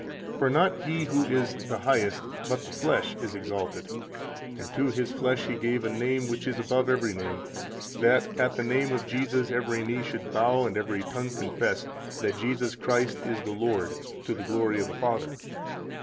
For not He who is the Highest, but the flesh, is exalted; and to his flesh He gave a name which is above every name, that at the name of Jesus every knee should bow, and every tongue confess that Jesus Christ is the Lord, to the glory of the Father.